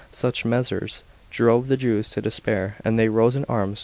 Such measures drove the Jews to despair, and they rose in arms.